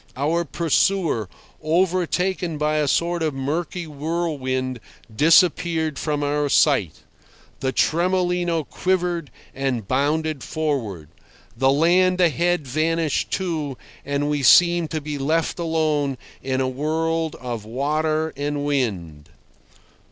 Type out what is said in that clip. Our pursuer, overtaken by a sort of murky whirlwind, disappeared from our sight. The Tremolino quivered and bounded forward. The land ahead vanished, too, and we seemed to be left alone in a world of water and wind.